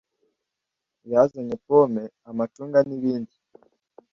Yazanye pome, amacunga, nibindi.